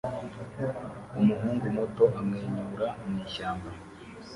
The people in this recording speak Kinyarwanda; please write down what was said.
Umuhungu muto amwenyura mwishyamba